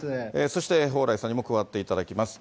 そして、蓬莱さんにも加わっていただきます。